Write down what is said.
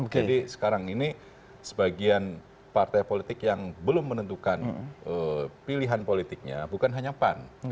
jadi sekarang ini sebagian partai politik yang belum menentukan pilihan politiknya bukan hanya pan